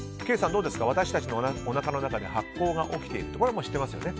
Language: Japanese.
どうですか私たちのおなかの中で発酵が起きているというのは知ってますよね？